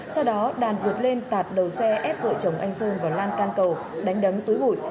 sau đó đàn vượt lên tạt đầu xe ép vợ chồng anh sơn vào lan can cầu đánh đấm tối bụi